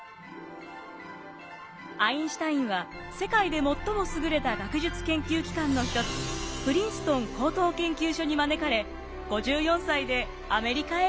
アインシュタインは世界で最も優れた学術研究機関の一つプリンストン高等研究所に招かれ５４歳でアメリカへ移住。